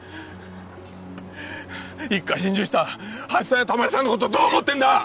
一家心中したハセさんやタマルさんのことどう思ってんだ！